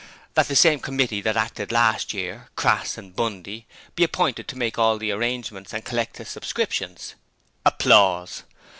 That the same committee that acted last year Crass and Bundy be appointed to make all the arrangements and collect the subscriptions.